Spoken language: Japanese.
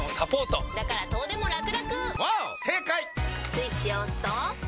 スイッチを押すと。